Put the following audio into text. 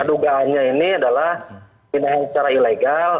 kedugaannya ini adalah ini secara ilegal